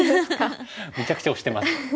めちゃくちゃ推してます。